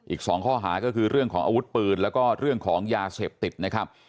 อีก๒ข้อหาก็คือเรื่องของอาวุธปืนแล้วก็เรื่องของยาเสพติดนะครับ